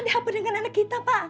ada apa dengan anak kita pak